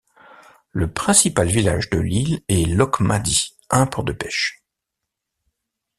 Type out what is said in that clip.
Le principal village de l'île est Lochmaddy, un port de pêche.